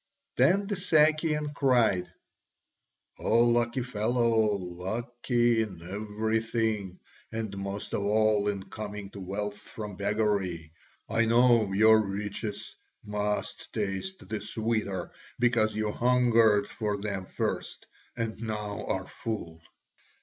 Then the Sakian cried: "O lucky fellow! Lucky in everything, and most of all in coming to wealth from beggary! I know your riches must taste the sweeter, because you hungered for them first and now are full."